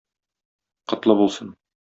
Котлы булсын!